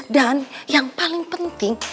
dan yang paling penting